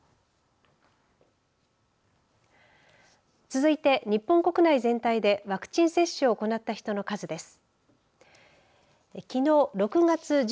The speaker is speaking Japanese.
続いて、日本国内全体でワクチン接種を行った人の数です。